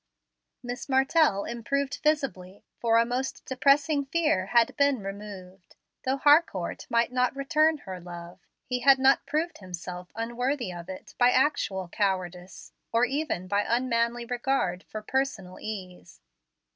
Miss Martell improved visibly, for a most depressing fear had been removed. Though Harcourt might not return her love, he had not proved himself unworthy of it, by actual cowardice, or even by unmanly regard for personal ease.